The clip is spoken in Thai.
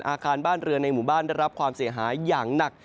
อาคารบ้านเรือนในหมู่บ้านได้รับความเสียหายอย่างหนัก